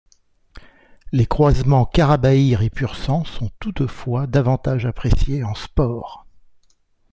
Les croisements Karabaïr et Pur-sang sont toutefois davantage appréciés en sport.